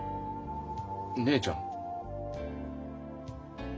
姉ちゃん。